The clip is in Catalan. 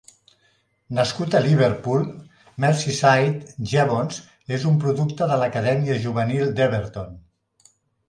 Nascut a Liverpool, Merseyside, Jevons és un producte de l'acadèmia juvenil d'Everton.